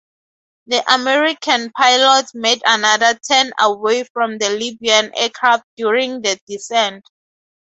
The American pilots made another turn away from the Libyan aircraft during the descent.